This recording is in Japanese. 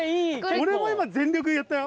俺も今全力でやったよ。